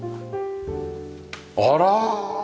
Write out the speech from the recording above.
あら。